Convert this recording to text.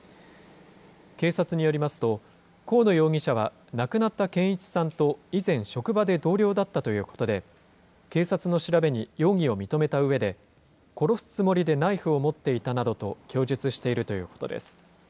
警察によりますと、河野容疑者は亡くなった健一さんと以前職場で同僚だったということで、警察の調べに容疑を認めたうえで、殺すつもりでナイフを持っていたなどと供述しているということです。